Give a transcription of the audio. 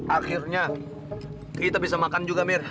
akhirnya kita bisa makan juga mir